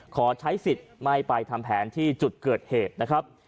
ขอใช้สิทธิ์ไม่ไปทำแผนที่จุดเกิดเหตุนะครับ